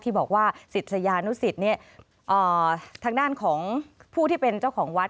ที่บอกว่าศิษยานุสิตทางด้านของผู้ที่เป็นเจ้าของวัด